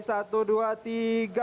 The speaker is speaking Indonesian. satu dua tiga